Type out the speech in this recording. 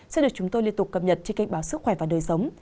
sẽ được chúng tôi liên tục cập nhật trên kênh báo sức khỏe và đời sống